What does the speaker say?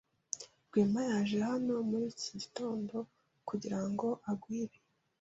Rwema yaje hano muri iki gitondo kugirango aguhe ibi.